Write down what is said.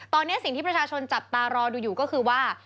ตอนนี้สิ่งที่ประชาชนจับตารอดูอยู่ก็คือว่า